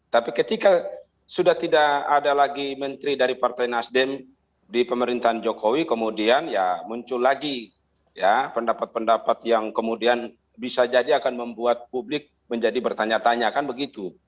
tapi ketika sudah tidak ada lagi menteri dari partai nasdem di pemerintahan jokowi kemudian ya muncul lagi ya pendapat pendapat yang kemudian bisa jadi akan membuat publik menjadi bertanya tanya kan begitu